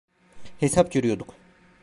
Hesap görüyorduk…